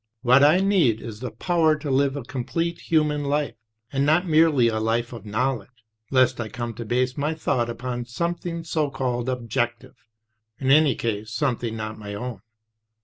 ... What I need is the power to live a complete human life, and not merely a life of knowledge; lest I come to base my thought upon something so cabled objective, in any case something not my own.